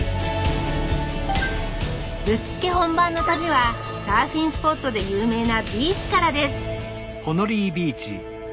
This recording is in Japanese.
ぶっつけ本番の旅はサーフィンスポットで有名なビーチからです